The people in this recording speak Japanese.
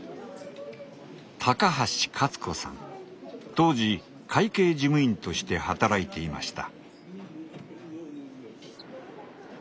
当時会計事務員として働いていました。